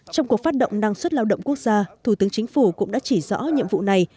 trong cuộc phát động năng suất lao động quốc gia thủ tướng chính phủ cũng đã chỉ rõ nhiệm vụ này